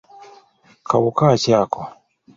Kawuka ki ako?